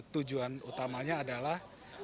tujuan utamanya adalah